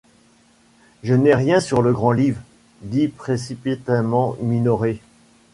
Je n’ai rien sur le Grand-Livre, dit précipitamment Minoret.